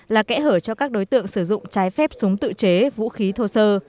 là kẽ hở cho các đối tượng sử dụng trái phép súng tự chế vũ khí thô sơ